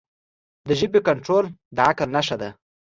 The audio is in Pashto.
د ژبې کنټرول د عقل نښه ده.